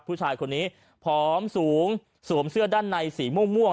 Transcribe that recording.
ผู้ชายคนนี้ผอมสูงสวมเสื้อด้านในสีม่วง